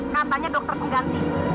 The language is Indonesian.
katanya dokter pengganti